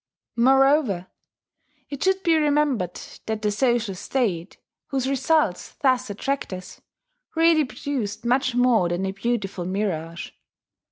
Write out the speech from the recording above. Moreover, it should be remembered that the social state, whose results thus attract us, really produced much more than a beautiful mirage.